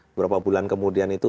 beberapa bulan kemudian itu